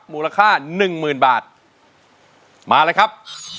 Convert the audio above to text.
มูลค่าหนึ่งหมื่นบาทมาเลยครับ